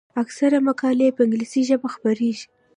اکثره مقالې په انګلیسي ژبه خپریږي.